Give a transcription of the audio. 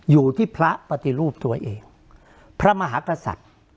อยู่ที่พระปฏิรูปตัวเองพระมหากษัตริย์